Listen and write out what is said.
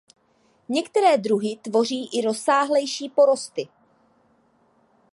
Některé druhy tvoří i rozsáhlejší porosty.